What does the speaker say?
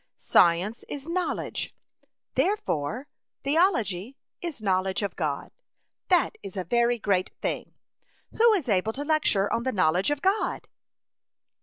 Science is knowledge, therefore the ology is knowledge of God. That is a very great thing. Who is able to lecture on the knowledge of God